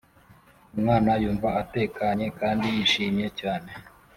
Umwana yumva atekanye kandi yishimye cyane